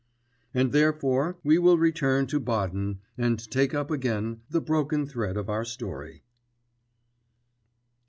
and therefore we will return to Baden and take up again the broken thread of our story.